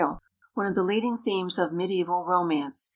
= One of the leading themes of medieval romance.